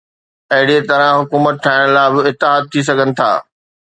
اهڙي طرح حڪومت ٺاهڻ لاءِ به اتحاد ٿي سگهن ٿا.